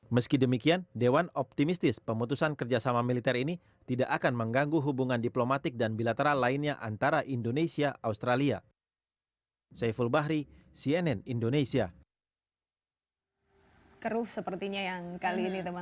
meski demikian dewan optimistis pemutusan kerjasama militer ini tidak akan mengganggu hubungan diplomatik dan bilateral lainnya antara indonesia australia